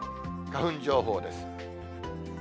花粉情報です。